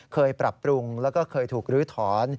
ปรับปรุงแล้วก็เคยถูกลื้อถอน